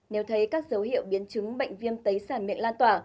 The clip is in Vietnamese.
nếu thấy các dấu hiệu biến chứng bệnh viêm tấy sản miệng lan tỏa